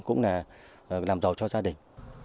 cũng là làm giàu cho gia đình